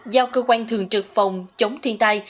giao cơ quan thường trực phòng chống thiên tai